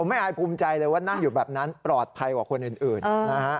ไม่อายภูมิใจเลยว่านั่งอยู่แบบนั้นปลอดภัยกว่าคนอื่นนะฮะ